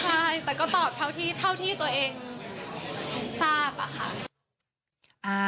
ใช่แต่ก็ตอบเท่าที่ตัวเองทราบอะค่ะ